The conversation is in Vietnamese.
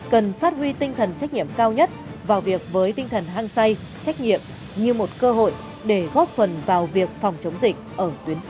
cần phát huy tinh thần trách nhiệm cao nhất vào việc với tinh thần hang say trách nhiệm như một cơ hội để góp phần vào việc phòng chống dịch ở tuyến xã